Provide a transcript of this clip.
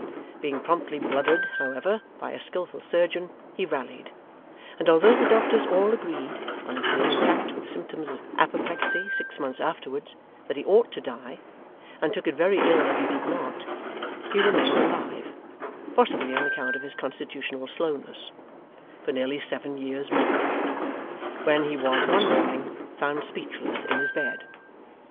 Being promptly blooded, however, by a skilful surgeon, he rallied; and although the doctors all agreed, on his being attacked with symptoms of apoplexy six months afterwards, that he ought to die, and took it very ill that he did not, he remained alive possibly on account of his constitutional slowness for nearly seven years more, when he was one morning found speechless in his bed.